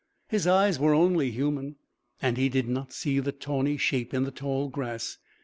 His eyes were only human, and he did not see the tawny shape in the tall grass.